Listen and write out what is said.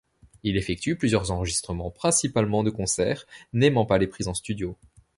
Il effectue plusieurs enregistrements, principalement de concerts, n'aimant pas les prises en studio.